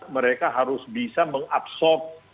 mereka harus bisa mengabsorb